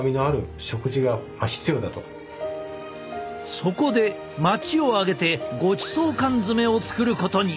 そこで町を挙げてごちそう缶詰を作ることに。